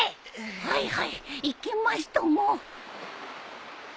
はいはい行きますとも。